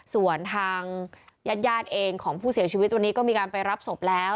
ส่วนทางญาติญาติเองของผู้เสียชีวิตวันนี้ก็มีการไปรับศพแล้ว